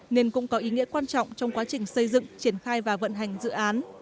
nên cũng có ý nghĩa quan trọng trong quá trình xây dựng triển khai và vận hành dự án